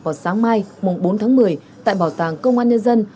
vào sáng mai bốn tháng một mươi tại bảo tàng công an nhân dân